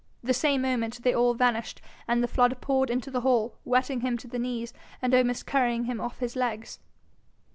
The same moment they all vanished, and the flood poured into the hall, wetting him to the knees, and almost carrying him off his legs.